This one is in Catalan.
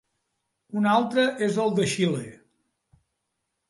Un altre és el de Xile.